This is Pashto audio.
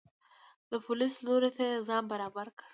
د پولیس لوري ته یې ځان برابر کړ.